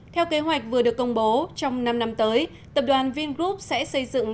theo kế hoạch vừa được công bố trong năm năm tới tập đoàn vingroup sẽ xây dựng